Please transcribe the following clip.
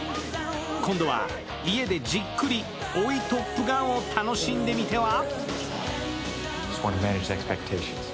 今度は家でじっくり追いトップガンを楽しんでみては。